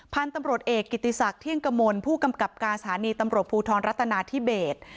พันธุ์ตำรดเอกกิติศักดิ์เที่ยงกะมนต์ผู้กำกับการสารณีตำรดภูทรรัตนาที่เบส